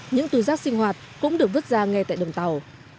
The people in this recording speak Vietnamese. những tù giác sinh hoạt cũng được vứt ra ngay tại đường tàu